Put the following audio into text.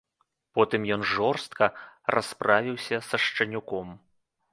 Потым ён жорстка расправіўся са шчанюком.